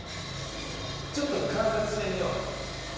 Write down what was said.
ちょっと観察してみよう。